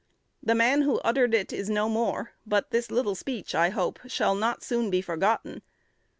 The man who uttered it is no more; but this little speech, I hope, shall not soon be forgotten.